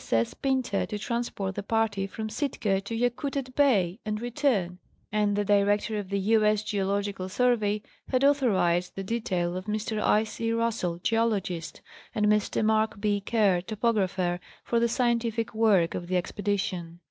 8. 8. Pinta to transport the party from Sitka to Yakutat Bay and return, and the Director of the U. 8. Geclogical Survey had authorized the Exploration of Alaska in 1890. 303 detail of Mr. I. C. Russell, geologist, and Mr. Mark B. Kerr, topographer, for the scientific work of the expedition.